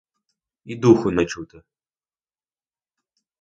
І духу не чути!